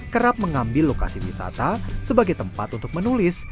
kerap mengambil lokasi wisata sebagai tempat untuk menulis